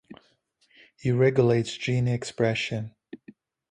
It regulates gene expression.